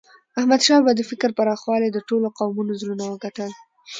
احمدشاه بابا د فکر پراخوالي د ټولو قومونو زړونه وګټل.